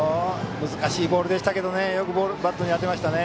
難しいボールでしたけどよくバットに当てましたね。